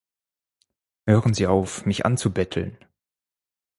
Hören Sie auf, mich anzubetteln!